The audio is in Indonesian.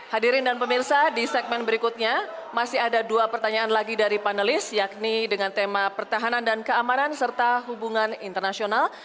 hadirin dan pemirsa di segmen berikutnya masih ada dua pertanyaan lagi dari panelis yakni dengan tema pertahanan dan keamanan serta hubungan internasional